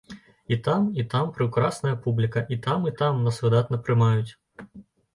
І там, і там прыўкрасная публіка, і там, і там нас выдатна прымаюць.